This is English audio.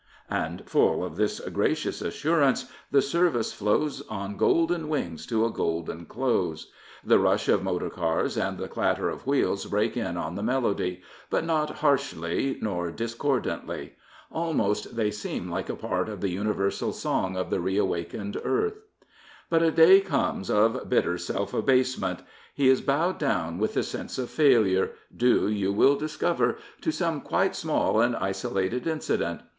And, full of this gracious assurance, the service flows on golden wings to a golden close. The rush of motor cars and the clatter of wheels break in on the melody; but not harshly nor discordantly. Almost they seem like a part of the universal song of the reawakened earth. But a day comes of bitter self abasement. He is bowed down with the sense of failure, due, you will discover, to some quite small and isolated incident.